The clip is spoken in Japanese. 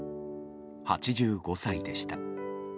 ８５歳でした。